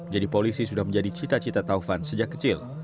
jadi polisi sudah menjadi cita cita taufan sejak kecil